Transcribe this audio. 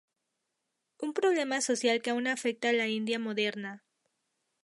Un problema social que aún afecta a la India moderna.